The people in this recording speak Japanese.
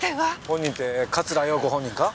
本人って桂陽子本人か？